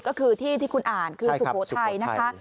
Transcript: ก็คือที่ที่คุณอ่านคือสุโขทัยนะคะ